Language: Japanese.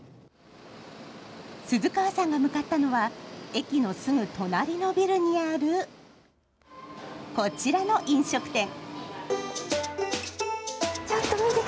鈴川さんが向かったのは駅のすぐ隣のビルにあるこちらの飲食店。